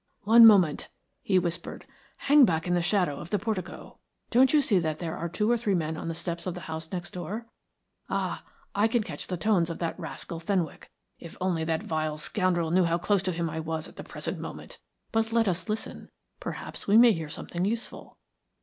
"One moment," he whispered. "Hang back in the shadow of the portico. Don't you see that there are two or three men on the steps of the house next door? Ah, I can catch the tones of that rascal Fenwick. If only that vile scoundrel knew how close to him I was at the present moment! But let us listen. Perhaps we may hear something useful."